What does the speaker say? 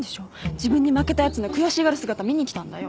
自分に負けたやつの悔しがる姿見に来たんだよ。